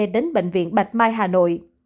đến bệnh viện bạch mai hà nội